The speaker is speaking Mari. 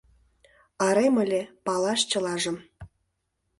Арем ыле — палаш чылажым.